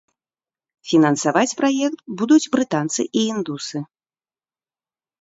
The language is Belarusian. Фінансаваць праект будуць брытанцы і індусы.